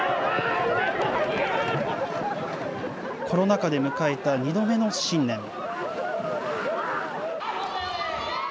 コロナ禍で迎えた２度目の新年。